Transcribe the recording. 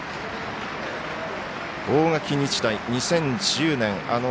大垣日大、２０１０年